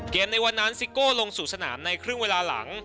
ในวันนั้นซิโก้ลงสู่สนามในครึ่งเวลาหลัง